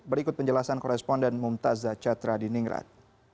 berikut penjelasan koresponden mumtazza chattradiningrat